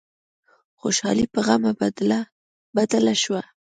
خوشحالي په غم بدله شوه.